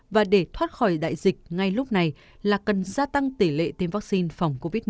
và để thoát khỏi đại dịch ngay lúc này là cần gia tăng tỷ lệ tiêm vaccine phòng covid một mươi chín